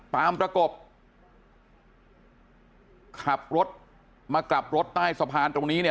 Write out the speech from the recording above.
ประกบขับรถมากลับรถใต้สะพานตรงนี้เนี่ย